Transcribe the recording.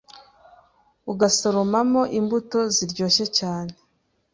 ugasoromamo imbuto ziryoshye cyane